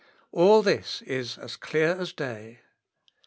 All this is as clear as day.